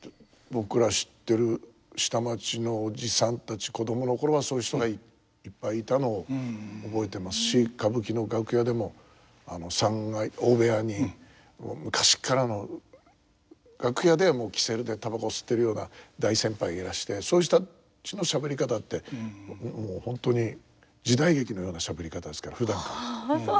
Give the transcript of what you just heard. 僕ら知ってる下町のおじさんたち子供の頃はそういう人がいっぱいいたのを覚えてますし歌舞伎の楽屋でも三階大部屋にもう昔っからの楽屋では煙管でたばこ吸ってるような大先輩がいらしてそういう人たちのしゃべり方ってもう本当に時代劇のようなしゃべり方ですからふだんから。